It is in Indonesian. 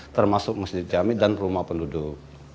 termasuk masjid jami dan rumah penduduk